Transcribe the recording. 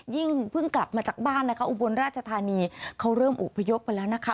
เพิ่งกลับมาจากบ้านนะคะอุบลราชธานีเขาเริ่มอบพยพไปแล้วนะคะ